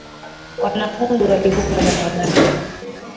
Wanafunzi walivuka barabara